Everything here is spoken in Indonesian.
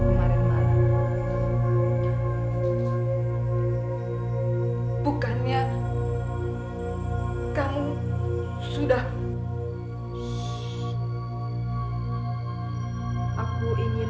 bagaimana kita bisa keluar dari kamar